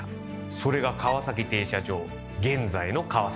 それが川崎停車場現在の川崎駅です。